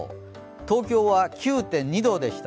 東京は９．２度でした。